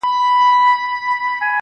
دوه زړونه په اورو کي د شدت له مينې ژاړي